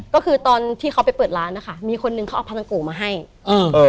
ก็คือตอนที่เขาไปเปิดร้านนะคะมีคนนึงเขาเอาพาราโกมาให้อ่าเออ